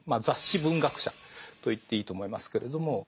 雑誌文学者と言っていいと思いますけれども。